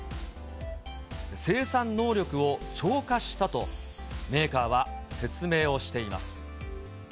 生産能力を超過したと、メーカーは説明をしています。